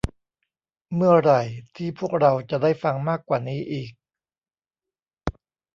เมื่อไหร่ที่พวกเราจะได้ฟังมากกว่านี้อีก